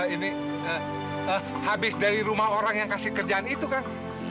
ini habis dari rumah orang yang kasih kerjaan itu kan